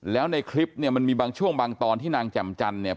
แล้วในคลิปเนี่ยมันมีบางช่วงบางตอนที่นางแจ่มจันเนี่ย